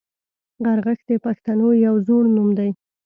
غرغښت د پښتنو یو زوړ نوم دی